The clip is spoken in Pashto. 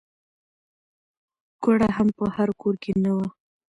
ګوړه هم په هر کور کې نه وه.